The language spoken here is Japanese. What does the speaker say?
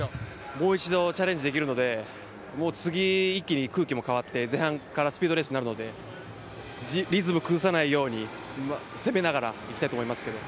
もう一度チャレンジできるので、次、一気に空気が変わって前半からスピードレースになるので、リズム崩さないように攻めながら行きたいと思いますけど。